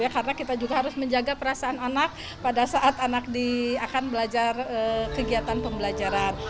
karena kita juga harus menjaga perasaan anak pada saat anak akan belajar kegiatan pembelajaran